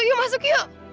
yuk masuk yuk